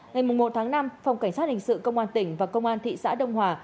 ngày một tháng năm phòng cảnh sát hình sự công an tỉnh và công an thị xã đông hòa